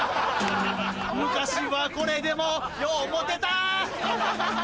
昔はこれでもようモテた